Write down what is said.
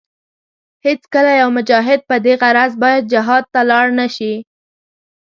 هېڅکله يو مجاهد په دې غرض باید جهاد ته لاړ نشي.